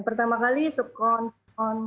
pertama kali subkontrol